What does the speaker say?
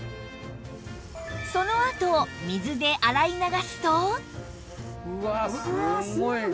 そのあと水で洗い流すと